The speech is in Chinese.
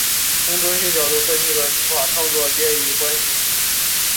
从哲学角度分析了书法创作的变易关系。